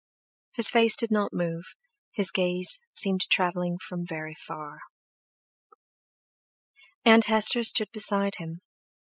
His face did not move, his gaze seemed travelling from very far. Aunt Hester stood beside him.